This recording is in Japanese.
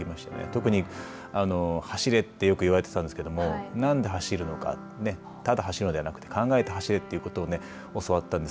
特に走れってよく言われてたんですけどなんで走るのかただ走るのではなくて考えて走れということを教わったので。